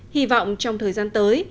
hy vọng trong thời gian tới